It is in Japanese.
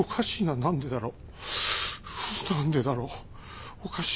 何でだろう。